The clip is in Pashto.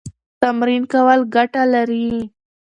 تمرین کول ګټه لري.